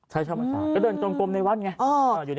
ใช่เข้าบรรษาก็เดินจงกลมในวันไง